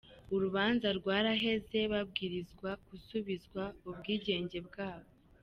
Urubanza rwaraheze, babwirizwa gusubizwa ubwigenge bwabo".